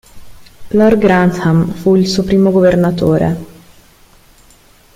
Lord Grantham fu il suo primo Governatore.